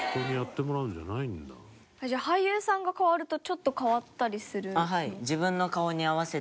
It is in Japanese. じゃあ俳優さんが変わるとちょっと変わったりするの？